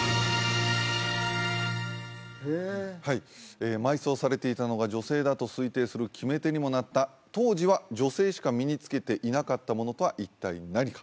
はい埋葬されていたのが女性だと推定する決め手にもなった当時は女性しか身につけていなかったものとは一体何か？